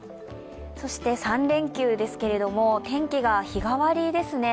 そして３連休ですけれども、天気が日替わりですね。